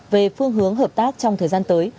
về phương hướng hợp tác trong thời gian tới